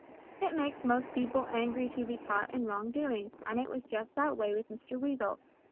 It makes most people angry to be caught in wrongdoing and it was just that way with Mr. Weasel.